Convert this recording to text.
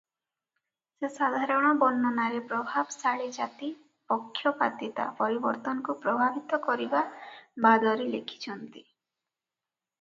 ସେ ସାଧାରଣ ବର୍ଣ୍ଣନାରେ ପ୍ରଭାବଶାଳୀ ଜାତି-ପକ୍ଷପାତିତା ପରିବର୍ତ୍ତନକୁ ପ୍ରଭାବିତ କରିବା ବାଦରେ ଲେଖିଛନ୍ତି ।